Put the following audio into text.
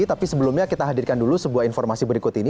tapi sebelumnya kita hadirkan dulu sebuah informasi berikut ini